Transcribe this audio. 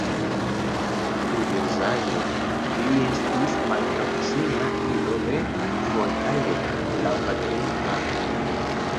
Kuriozaĵo: li estis malproksima ido de Voltaire, laŭ patrina flanko.